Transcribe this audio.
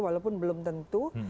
walaupun belum tentu